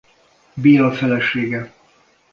Béla felesége.